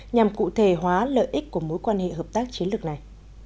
nhằm cụ thể hóa lợi ích của mối quan hệ hợp tác chiến lược này